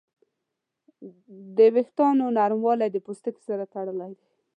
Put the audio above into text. د وېښتیانو نرموالی د پوستکي سره تړلی دی.